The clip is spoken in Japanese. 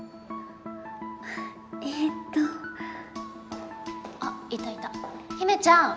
えっとあっいたいた陽芽ちゃん